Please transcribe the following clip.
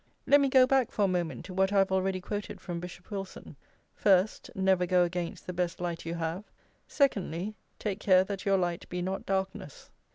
Let me go back for a moment to what I have already quoted from Bishop Wilson: "First, never go against the best light you have; secondly, take care that your light be not darkness."